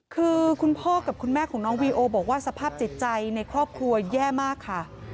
คือคุณพ่อกับคุณแม่ของน้องวีโอบอกว่าสภาพจิตใจในครอบครัวแย่มากค่ะ